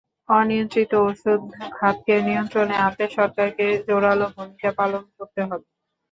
অনিয়ন্ত্রিত ওষুধ খাতকে নিয়ন্ত্রণে আনতে সরকারকে জোরালো ভূমিকা পালন করতে হবে।